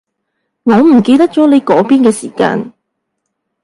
我唔記得咗你嗰邊嘅時間